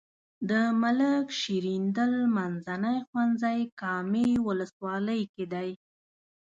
د ملک شیریندل منځنی ښوونځی کامې ولسوالۍ کې دی.